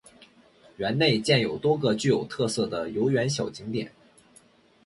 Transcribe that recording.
园内建有多个具有特色的游园小景点。